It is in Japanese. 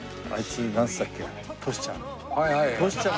トシちゃん。